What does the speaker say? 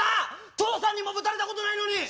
父さんにもぶたれたことないのに！